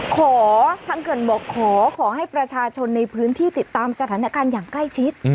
ขอทางเขื่อนบอกขอขอให้ประชาชนในพื้นที่ติดตามสถานการณ์อย่างใกล้ชิด